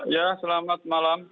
ya selamat malam